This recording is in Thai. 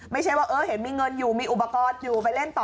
ไม่ใช่ว่าเห็นมีเงินอยู่มีอุปกรณ์อยู่ไปเล่นต่อ